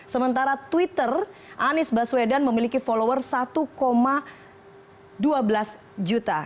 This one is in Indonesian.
sementara twitter anies baswedan memiliki follower satu dua belas juta